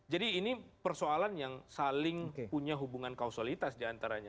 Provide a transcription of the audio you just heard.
jadi ini persoalan yang saling punya hubungan kausalitas di antaranya